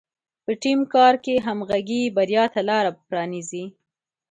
په ټیم کار کې همغږي بریا ته لاره پرانیزي.